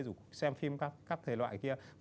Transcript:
rủ xem phim các thời loại kia